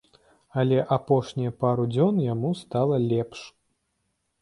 Але апошнія пару дзён яму стала лепш.